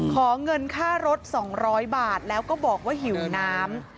ขอเงินค่ารถ๒๐๐บาทแล้วก็บอกว่าหิวน้ำ